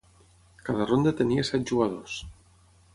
Cada ronda tenia set jugadors.